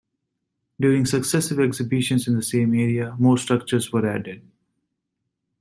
During successive exhibitions in the same area, more structures were added.